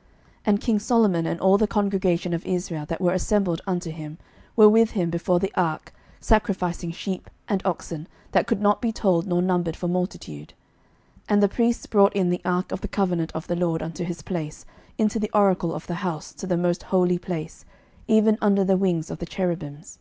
11:008:005 And king Solomon, and all the congregation of Israel, that were assembled unto him, were with him before the ark, sacrificing sheep and oxen, that could not be told nor numbered for multitude. 11:008:006 And the priests brought in the ark of the covenant of the LORD unto his place, into the oracle of the house, to the most holy place, even under the wings of the cherubims.